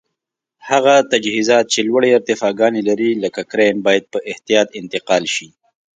هغه تجهیزات چې لوړې ارتفاګانې لري لکه کرېن باید په احتیاط انتقال شي.